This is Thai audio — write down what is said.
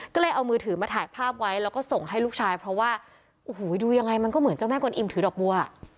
ก็เลยเอามือถือมาถ่ายภาพไว้แล้วก็ส่งให้ลูกชายเพราะว่าโอ้โหดูยังไงมันก็เหมือนเจ้าแม่กวนอิ่มถือดอกบัว